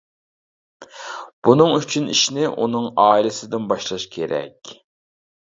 بۇنىڭ ئۈچۈن ئىشنى ئۇنىڭ ئائىلىسىدىن باشلاش كېرەك.